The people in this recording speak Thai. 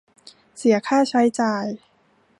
เสียค่าใช้จ่าย